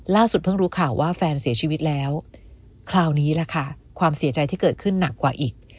เพิ่งรู้ข่าวว่าแฟนเสียชีวิตแล้วคราวนี้แหละค่ะความเสียใจที่เกิดขึ้นหนักกว่าอีก